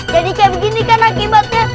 jadi kayak begini kan akibatnya